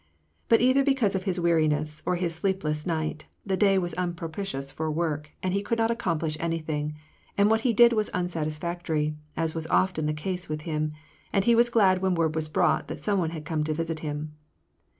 But, either because of his weariness, or his sleepless night, the day was unpropitious for work, and he could not accomplish any thing ; and what he did was unsatisfactory, as was often the case with him ; and he was glad when word was brought that some one had come to see him.